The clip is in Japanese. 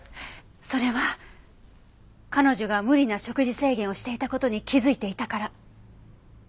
それは彼女が無理な食事制限をしていた事に気づいていたから。